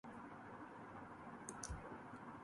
کہ یہ شیرازہ ہے عالم کے اجزائے پریشاں کا